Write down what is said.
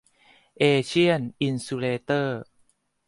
เอเชียน อินซูเลเตอร์